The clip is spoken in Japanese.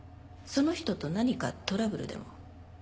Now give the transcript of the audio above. その人と何かトラブルでも？